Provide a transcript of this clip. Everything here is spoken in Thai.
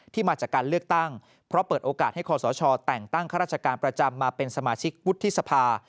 มาจากการเลือกตั้งเพราะเปิดโอกาสให้คอสชแต่งตั้งข้าราชการประจำมาเป็นสมาชิกวุฒิสภา